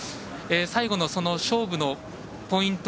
最後の勝負のポイント